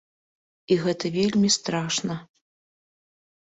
І гэта вельмі страшна.